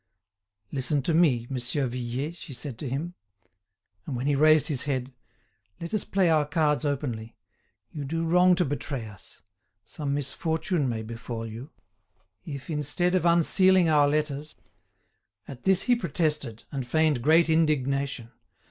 "Listen to me, Monsieur Vuillet," she said to him. And when he raised his head: "let us play our cards openly; you do wrong to betray us; some misfortune may befall you. If, instead of unsealing our letters—" At this he protested, and feigned great indignation.